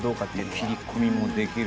切り込みもできる。